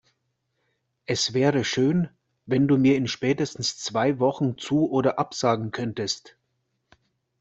Es wäre schön, wenn du mir in spätestens zwei Wochen zu- oder absagen könntest.